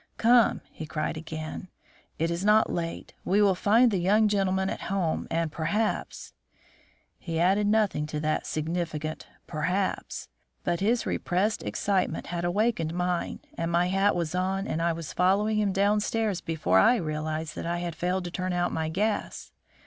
"Come," he cried again; "it is not late. We will find the young gentlemen at home and perhaps " He added nothing to that significant "perhaps," but his repressed excitement had awakened mine, and my hat was on and I was following him down stairs before I realised that I had failed to turn out my gas.